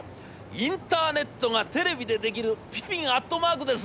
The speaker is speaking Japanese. インターネットがテレビでできるピピンアットマークです！』。